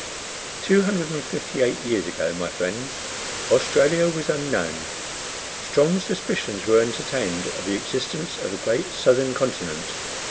Two hundred and fifty eight years ago, my friends, Australia was unknown. Strong suspicions were entertained of the existence of a great southern continent.